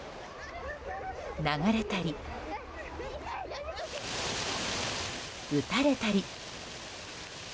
流れたり、打たれたり。